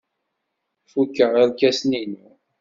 Fukeɣ irkasen-inu.